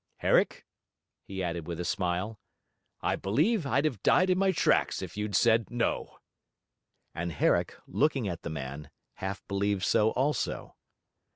'Herrick,' he added with a smile, 'I believe I'd have died in my tracks, if you'd said, No!' And Herrick, looking at the man, half believed so also.